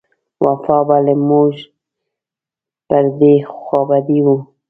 وفا به له موږ پر دې خوابدۍ و.